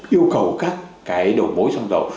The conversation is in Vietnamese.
yêu cầu các cái đầu mối xăng dầu